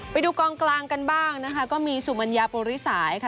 ไปดูกองกลางกันบ้างนะคะก็มีสุมัญญาปุริสายค่ะ